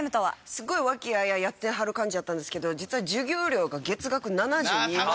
すごい和気あいあいやってはる感じやったんですけど実は授業料が月額７２万。